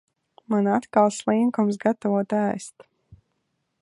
Man atkal slinkums gatavot ēst.